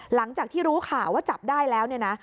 หลังจากที่รู้ข่าวว่าจับได้แล้วเนี่ยนะ